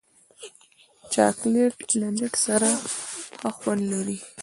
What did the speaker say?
چاکلېټ له نټ سره ښه خوند لري.